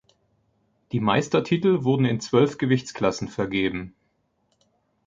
Die Meistertitel wurden in zwölf Gewichtsklassen vergeben.